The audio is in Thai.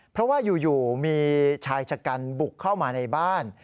เพราะว่าอยู่มีชายชะกันบุกเข้ามาในบ้าน